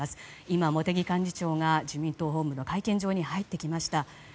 今、茂木幹事長が自民党本部の会見場に入ってきました。